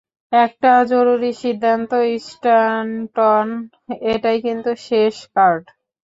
একটা জরুরি সিদ্ধান্ত, স্ট্যানটন, এটাই কিন্তু শেষ কার্ড।